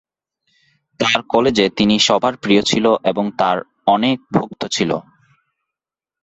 তার কলেজে তিনি সবার প্রিয় ছিল এবং তার অনেক ভক্ত ছিলো।